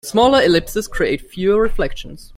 Smaller ellipses create fewer reflections.